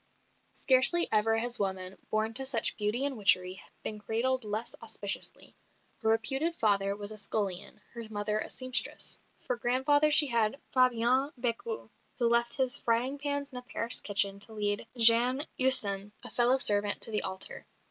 Scarcely ever has woman, born to such beauty and witchery, been cradled less auspiciously. Her reputed father was a scullion, her mother a sempstress. For grandfather she had Fabien Bécu, who left his frying pans in a Paris kitchen to lead Jeanne Husson, a fellow servant, to the altar.